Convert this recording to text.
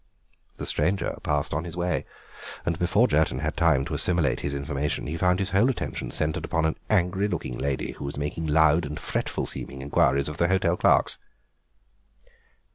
The stranger passed on his way, and before Jerton had had time to assimilate his information he found his whole attention centred on an angry looking lady who was making loud and fretful seeming inquiries of the hotel clerks.